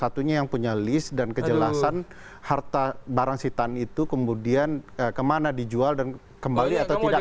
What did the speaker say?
satunya yang punya list dan kejelasan harta barang sitan itu kemudian kemana dijual dan kembali atau tidak